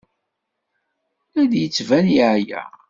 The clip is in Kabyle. La d-yettban yeɛya.